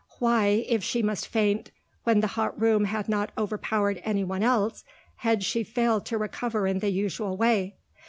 Why, if she must faint when the hot room had not overpowered anyone else, had she failed to recover in the usual way?